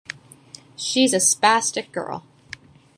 She's a spastic girl.